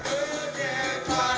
orkes puisi sampak gusuran